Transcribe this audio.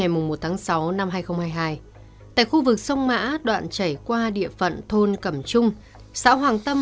ngày một tháng sáu năm hai nghìn hai mươi hai tại khu vực sông mã đoạn chảy qua địa phận thôn cẩm trung xã hoàng tâm